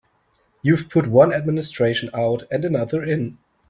You've put one administration out and another in.